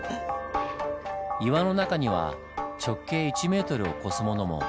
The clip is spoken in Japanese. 岩の中には直径１ｍを超すものも。